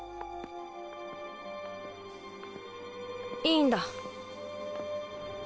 いいんだ。